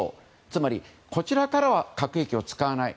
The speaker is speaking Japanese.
つまり、こちらからは核兵器を使わない。